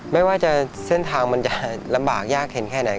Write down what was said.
ไม่ว่าจะเส้นทางมันจะลำบากยากเห็นแค่ไหน